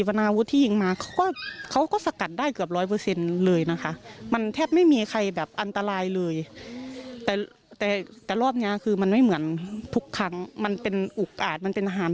รอบนี้คือมันไม่เหมือนทุกครั้งมันเป็นอุกอาจมันเป็นอาหาร